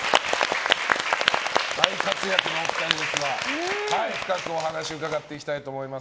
大活躍のお二人ですが深くお話を伺っていきたいと思います。